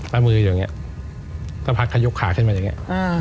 แล้วมืออย่างนี้สักพักเขายกขาขึ้นมาอย่างนี้